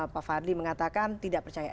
pak fadli mengatakan tidak percaya